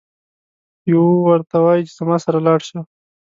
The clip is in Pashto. یو ورته وایي چې زما سره لاړشه.